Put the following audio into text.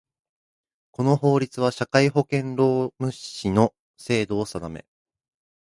この法律は、社会保険労務士の制度を定め